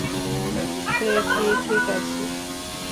সে কি ঠিক আছে?